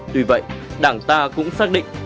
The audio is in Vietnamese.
tuy vậy đảng ta cũng xác định